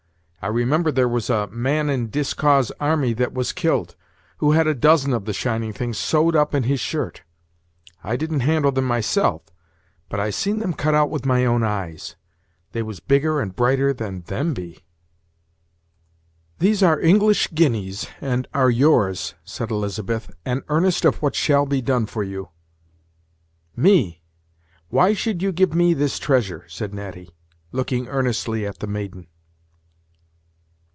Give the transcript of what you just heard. I remember there was a man in Dieskau's army, that was killed, who had a dozen of the shining things sewed up in his shirt. I didn't handle them myself, but I seen them cut out with my own eyes; they was bigger and brighter than them be." "These are English guineas, and are yours," said Elizabeth; "an earnest of what shall be done for you." "Me! why should you give me this treasure!" said Natty, looking earnestly at the maiden.